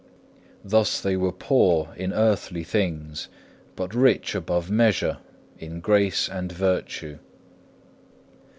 Thus were they poor in earthly things, but rich above measure in grace and virtue.